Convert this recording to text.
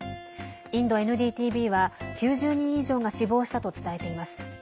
インドＮＤＴＶは９０人以上が死亡したと伝えています。